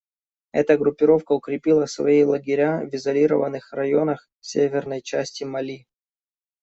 Эта группировка укрепила свои лагеря в изолированных районах северной части Мали.